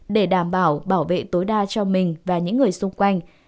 để đảm bảo bảo vệ tối đa cho mình và những người xung quanh